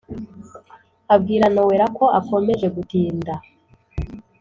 abwira nowela ko akomeje gutinda